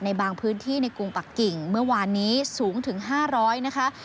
ในบางพื้นที่ในกรุงปักกิ่งเมื่อวานนี้สูงถึง๕๐๐นะคะ